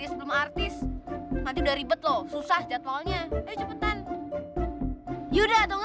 tapi kemudian dia pengguna pemerintah ketep umpasa di jepang